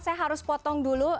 saya harus potong dulu